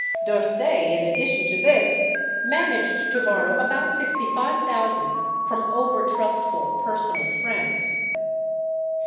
D'Orsay, in addition to this, managed to borrow about sixty five thousand from overtrustful personal friends.